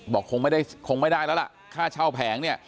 บอกคงไม่ได้คงไม่ได้แล้วล่ะค่าเช่าแผงเนี่ย